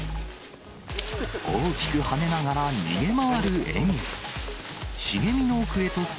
大きく跳ねながら逃げ回るエミュー。